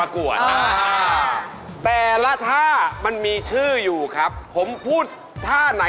ของเราสูงนี่